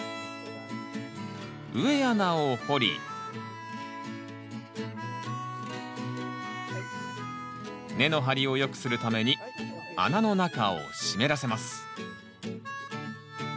植え穴を掘り根の張りをよくするために穴の中を湿らせます。